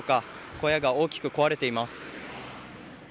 小屋が大きく壊れています。